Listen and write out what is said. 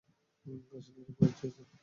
আসলেই এটা পাঠিয়েছ?